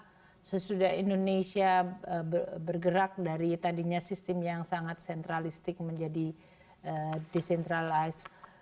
jadi bagaimana cara sesudah indonesia bergerak dari tadinya sistem yang sangat sentralistik menjadi desentralized